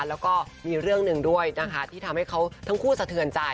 แล้วก็มีเรื่องหนึ่งด้วยนะคะที่ทำให้เขาทั้งคู่สะเทือนใจ